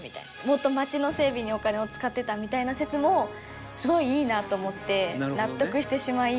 もっと町の整備にお金を使ってたみたいな説もすごいいいなと思って納得してしまい。